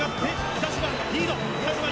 北島リード。